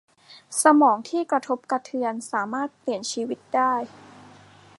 สมองที่กระทบกระเทือนสามารถเปลี่ยนชีวิตได้